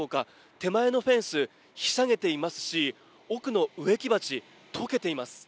手前のフェンス、ひしゃげていますし奥の植木鉢、溶けています。